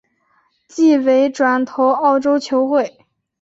季尾转投澳洲球会。